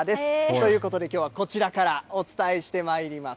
ということで、きょうはこちらからお伝えしてまいります。